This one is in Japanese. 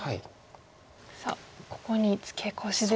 さあここにツケコシですが。